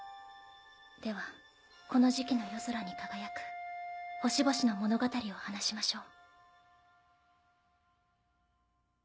ではこの時期の夜空に輝く星々の物語を話しましょう。